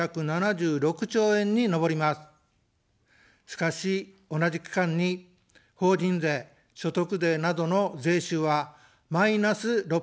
しかし、同じ期間に法人税、所得税などの税収はマイナス６１３兆円です。